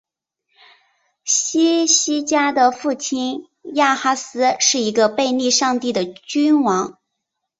希西家的父亲亚哈斯是一个背逆上帝的君王。